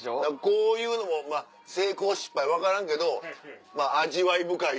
こういうのもまぁ成功失敗分からんけど味わい深いし。